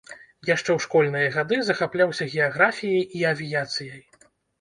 Яшчэ ў школьныя гады захапляўся геаграфіяй і авіяцыяй.